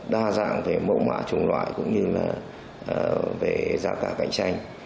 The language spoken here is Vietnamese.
đa dạng về mẫu mã trùng loại cũng như là về giá cả cạnh tranh